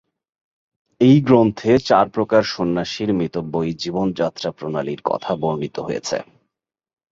এই গ্রন্থে চার প্রকার সন্ন্যাসীর মিতব্যয়ী জীবনযাত্রা প্রণালীর কথা বর্ণিত হয়েছে।